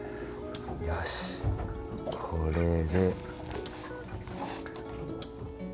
よしこれで。